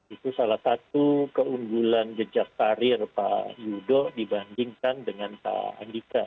itu salah satu keunggulan jejak karir pak yudo dibandingkan dengan pak andika